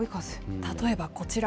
例えばこちら。